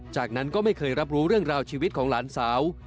จากนั้นก็ไม่เคยรับรู้เรื่องราวชีวิตของหลานสาว